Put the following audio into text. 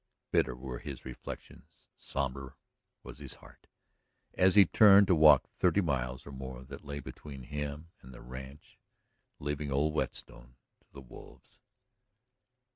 Bitter were his reflections, somber was his heart, as he turned to walk the thirty miles or more that lay between him and the ranch, leaving old Whetstone to the wolves.